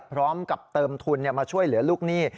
พร้อมกับเติมทุนมาช่วยเหลือลูกหนี้